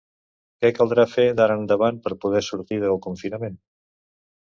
Què caldrà fer d’ara endavant per poder sortir del confinament?